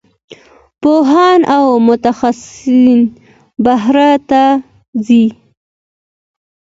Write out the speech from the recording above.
پوهان او متخصصین بهر ته ځي.